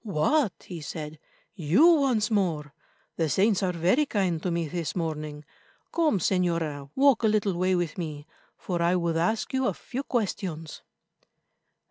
"What," he said, "you once more! The saints are very kind to me this morning. Come, Señora, walk a little way with me, for I would ask you a few questions."